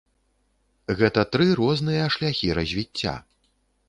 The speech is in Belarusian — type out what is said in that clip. Гэта тры розныя шляхі развіцця.